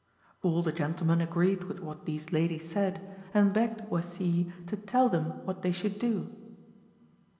All the gentlemen agreed with what these ladies said, and begged Oisille to tell them what they should do.